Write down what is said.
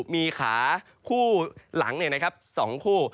มีขาคู่หลัง๒คู่